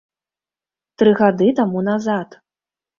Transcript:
Тры гады таму назад.